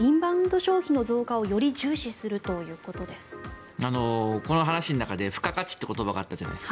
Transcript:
消費の増加をより重視するということです。